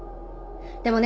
でもね